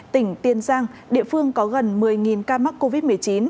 tỉnh tiền giang địa phương có gần một mươi ca mắc covid một mươi chín